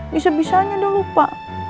bisa bisanya udah lupa